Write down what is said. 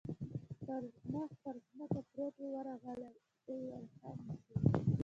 چې پر مخ پر ځمکه پروت و، ورغلی، دی ور خم شو.